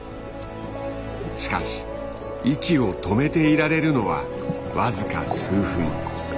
しかし息を止めていられるのはわずか数分。